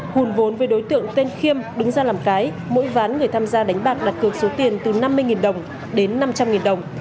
hùn vốn với đối tượng tên khiêm đứng ra làm cái mỗi ván người tham gia đánh bạc đặt cược số tiền từ năm mươi đồng đến năm trăm linh đồng